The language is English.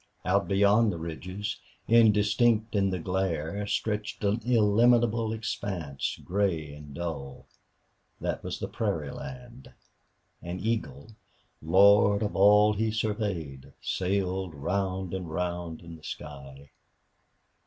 Out beyond the ridges, indistinct in the glare, stretched an illimitable expanse, gray and dull that was the prairie land. An eagle, lord of all he surveyed, sailed round and round in the sky.